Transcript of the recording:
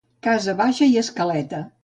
Casa baixa i escaleta.